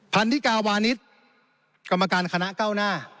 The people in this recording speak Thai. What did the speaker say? พันธิกาวานิสกรรมการคณะเก้าหน้า